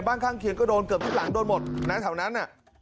ข้างเคียงก็โดนเกือบทุกหลังโดนหมดนะแถวนั้นน่ะ